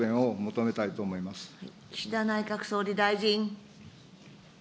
岸田内閣総理大臣。